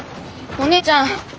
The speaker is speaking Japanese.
お姉ちゃん。